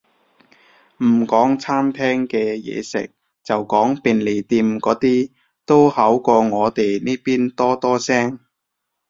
唔講餐廳嘅嘢食，就講便利店嗰啲，都好過我哋呢邊多多聲